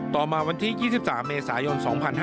ต่อมาวันที่๒๓เมษายน๒๕๕๙